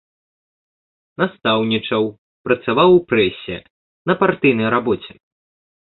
Настаўнічаў, працаваў у прэсе, на партыйнай рабоце.